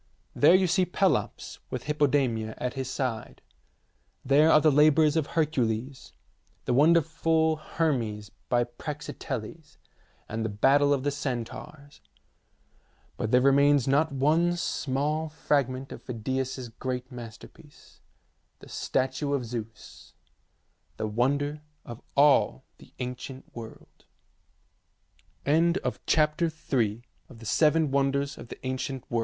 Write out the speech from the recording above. There you see Pelops with Hippodamia at his side. There are the Labours of Hercules, the wonderful Hermes by Praxiteles, and the battle of the Centaurs, but there remains not one small fragment of Phidias's great masterpiece, the statue of Zeus, the wonder of all the ancient world, 7 THE FOURTH WOND